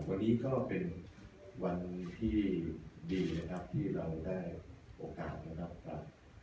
แต่วันนี้ก็เป็นวันที่ดีนะครับที่เราได้โอกาสนะครับ